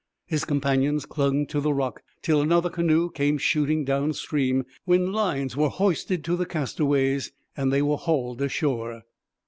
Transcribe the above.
His companions clung to the rock till another canoe came shooting down stream, when lines were hoisted to the castaways, and they were hauled ashore.